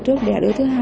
trước đẻ đứa thứ hai